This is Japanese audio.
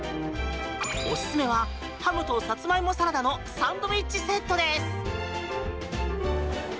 おすすめはハムとサツマイモサラダのサンドウィッチセットです。